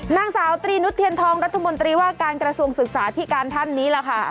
นางสาวตรีนุษเทียนทองรัฐมนตรีว่าการกระทรวงศึกษาที่การท่านนี้แหละค่ะ